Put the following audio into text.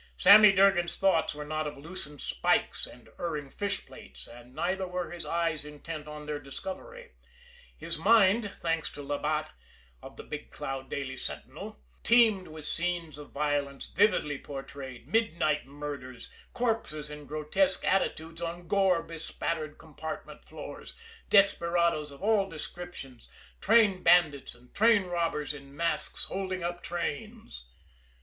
Sammy Durgan's thoughts were not of loosened spikes and erring fishplates, and neither were his eyes intent on their discovery his mind, thanks to Labatt, of the Big Cloud Daily Sentinel, teemed with scenes of violence vividly portrayed, midnight murders, corpses in grotesque attitudes on gore bespattered compartment floors, desperadoes of all descriptions, train bandits and train robbers in masks holding up trains.